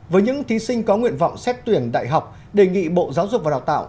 với những thí sinh có nguyện vọng xét tuyển đại học đề nghị bộ giáo dục và đào tạo